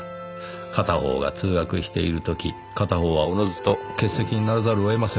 片方が通学している時片方はおのずと欠席にならざるを得ません。